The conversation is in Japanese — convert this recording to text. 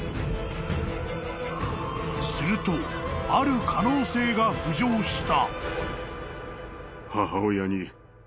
［するとある可能性が浮上した］